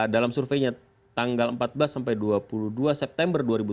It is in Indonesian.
dalam surveinya tanggal empat belas sampai dua puluh dua september dua ribu tujuh belas